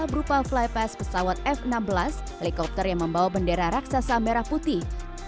berupa flypass pesawat f enam belas helikopter yang membawa bendera raksasa merah putih